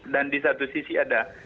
dan di satu sisi ada